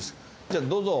じゃあどうぞ。